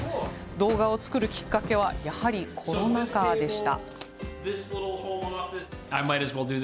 動画を作るきっかけはやはり、コロナ禍でした。